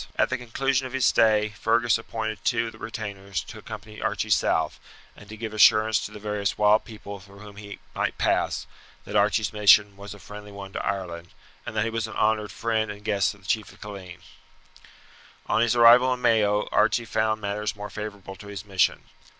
At the conclusion of his stay Fergus appointed two of the retainers to accompany Archie south, and to give assurance to the various wild people through whom he might pass, that Archie's mission was a friendly one to Ireland, and that he was an honoured friend and guest of the chief of Killeen. On his arrival in Mayo Archie found matters more favourable to his mission.